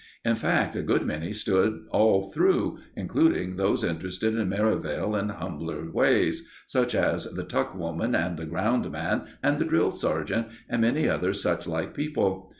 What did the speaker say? In fact, a good many stood all through, including those interested in Merivale in humble ways, such as the tuck woman and the ground man and the drill sergeant, and many other such like people.